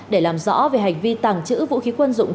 để làm rõ về hành vi tàng trữ vũ khí quân dụng